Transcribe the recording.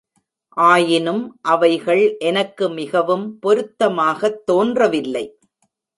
ஆயினும் அவைகள் எனக்கு மிகவும் பொருத்தமாகத் தோன்றவில்லை.